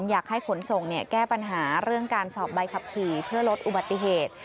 อยากให้ขนส่งแก้ปัญหาเรื่องการสอบใบขับขี่เพื่อลดอุบัติเหตุ